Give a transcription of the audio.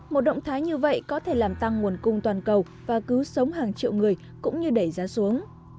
một động thái như vậy có thể làm tăng nguồn cung toàn cầu và cứu sống hàng triệu người cũng như đẩy giá xuống